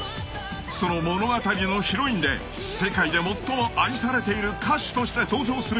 ［その物語のヒロインで世界で最も愛されている歌手として登場するウタ］